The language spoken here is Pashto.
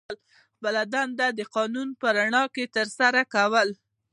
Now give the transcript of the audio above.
خپله دنده د قانون په رڼا کې ترسره کړي.